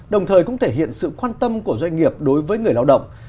đồng thời cũng thể hiện sự quan tâm của doanh nghiệp đối với người lao động